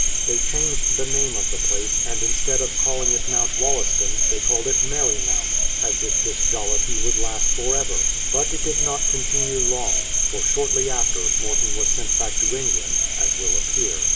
They changed the name of the place, and instead of calling it Mount Wollaston, they called it Merry Mount, as if this jollity would last forever. But it did not continue long, for, shortly after, Morton was sent back to England, as will appear.